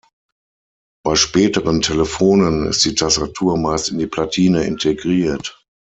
Bei späteren Telefonen ist die Tastatur meist in die Platine integriert.